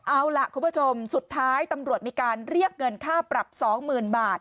เอาล่ะคุณผู้ชมสุดท้ายตำรวจมีการเรียกเงินค่าปรับ๒๐๐๐บาท